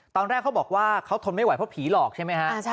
ตอนแรกเขาบอกว่าเขาทนไม่ไหวเพราะผีหลอกใช่ไหมฮะ